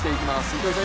糸井さん